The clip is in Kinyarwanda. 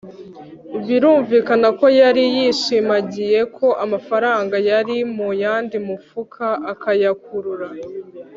birumvikana ko yari yashimangiye ko amafaranga yari mu yandi mufuka, ayakurura